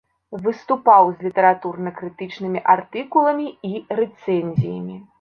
Выступаў з літаратурна-крытычнымі артыкуламі і рэцэнзіямі.